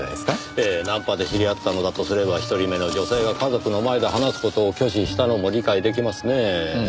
ええナンパで知り合ったのだとすれば一人目の女性が家族の前で話す事を拒否したのも理解出来ますねぇ。